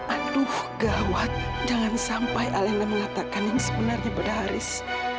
aduh gawat jangan sampai alena mengatakan yang sebenarnya berharis